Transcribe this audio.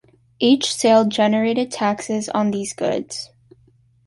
Each sale generated taxes on these goods.